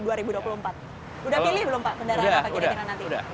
sudah pilih belum pak kendaraan apa kira kira nanti